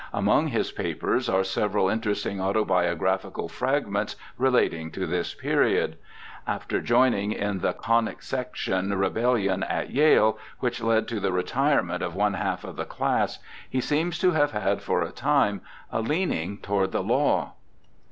Among his papers are several interesting autobiogra phical fragments relating to this period. After joining in the ' conic section ' rebellion at Yale, which led to the retirement of one half of the class, he seems to have had for a time a leaning toward the law.